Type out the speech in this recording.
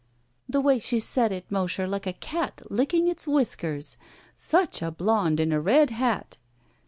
The way she said it, Mosher, like a cat licking its whis kere — 'such a blcmde in a red hat'!"